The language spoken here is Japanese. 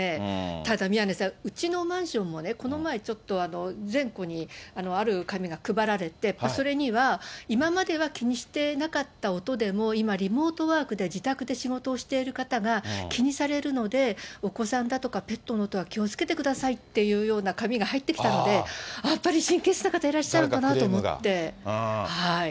ただ宮根さん、うちのマンションもこの前、ちょっと全戸にある紙が配られて、それには今までは気にしてなかった音でも、今、リモートワークで自宅で仕事をしている方が気にされるので、お子さんだとかペットの音は気をつけてくださいっていうような紙が入ってきたので、あっ、やっぱり神経質な方いらっしゃるのかなと思って。